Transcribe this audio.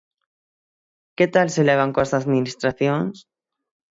Que tal se levan coas Administracións?